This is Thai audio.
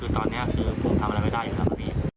ตอนนี้ผมทำอะไรไม่ได้อยู่นะคะ